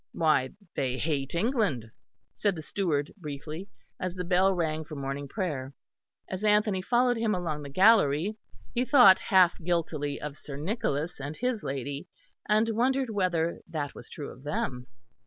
"Why, they hate England," said the steward, briefly, as the bell rang for morning prayer. As Anthony followed him along the gallery, he thought half guiltily of Sir Nicholas and his lady, and wondered whether that was true of them.